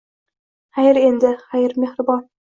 Xayr endi, xayr mehribon